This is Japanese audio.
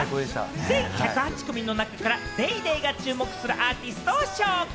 全１０８組の中から『ＤａｙＤａｙ．』が注目するアーティストを紹介。